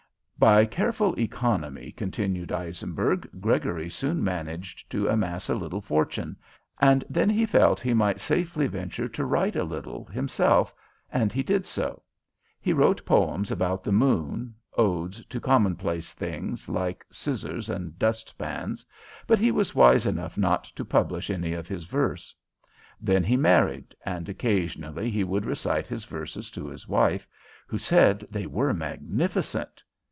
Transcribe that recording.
"By careful economy," continued Eisenberg, "Gregory soon managed to amass a little fortune, and then he felt he might safely venture to write a little himself, and he did so. He wrote poems about the moon, odes to commonplace things, like scissors and dust pans, but he was wise enough not to publish any of his verse. Then he married, and occasionally he would recite his verses to his wife, who said they were magnificent.